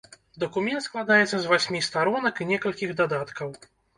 Дакумент складаецца з васьмі старонак і некалькіх дадаткаў.